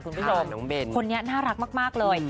คุณผู้ชมคนนี้น่ารักมากเลย